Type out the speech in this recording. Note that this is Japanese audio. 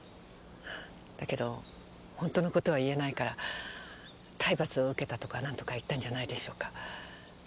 だけどホントの事は言えないから体罰を受けたとか何とか言ったんじゃないでしょうか。